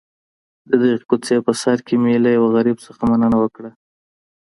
د دغي کوڅې په سر کي مي له یو غریب څخه مننه وکړه.